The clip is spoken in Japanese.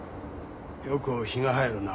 よく日が入るな